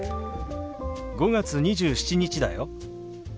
５月２７日だよ。